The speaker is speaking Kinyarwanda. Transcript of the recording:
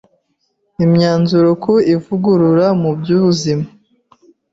Imyanzuro ku Ivugurura mu by’Ubuzima